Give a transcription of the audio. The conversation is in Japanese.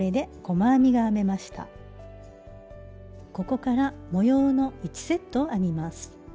ここから模様の１セットを編みます。